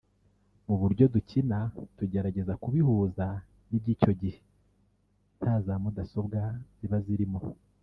Mu buryo dukina tugerageza kubihuza n’iby’icyo gihe nta za mudasobwa ziba zirimo